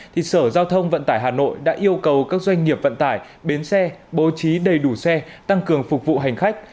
thì sở giao thông vận tải hà nội đã yêu cầu các doanh nghiệp vận tải bến xe bố trí đầy đủ xe tăng cường phục vụ hành khách